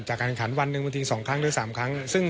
จากการขันวัน๑มีคติก๒ครั้งหรือ๓ครั้ง